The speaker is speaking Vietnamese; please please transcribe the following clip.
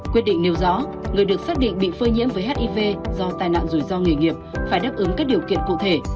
quyết định nêu rõ người được xác định bị phơi nhiễm với hiv do tai nạn rủi ro nghề nghiệp phải đáp ứng các điều kiện cụ thể